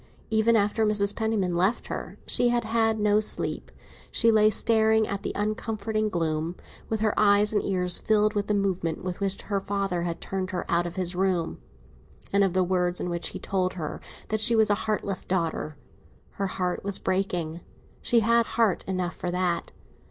Even after Mrs. Penniman left her she had had no sleep. She lay staring at the uncomforting gloom, with her eyes and ears filled with the movement with which her father had turned her out of his room, and of the words in which he had told her that she was a heartless daughter. Her heart was breaking. She had heart enough for that.